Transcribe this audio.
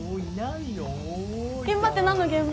現場ってなんの現場？